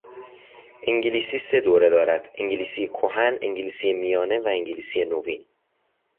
انگلیسی سهدوره دارد: انگلیسی کهن، انگلیسی میانه و انگلیسی نوین